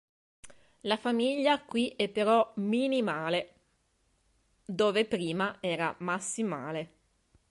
La famiglia qui è però "minimale", dove prima era "massimale".